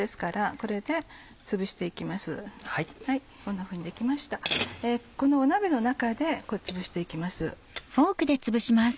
この鍋の中でこうつぶして行きます。